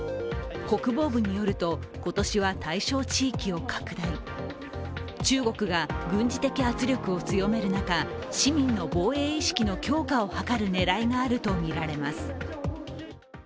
国防部によると今年は対象地域を拡大、中国が軍事的圧力を強める中、市民の防衛意識の強化を図る狙いがあるとみられます。